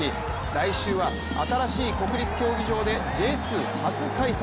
来週は新しい国立競技場でＪ２初開催。